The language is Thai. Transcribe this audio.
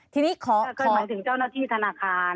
คือเข้ามันถึงเจ้านักวิธีธนาคาร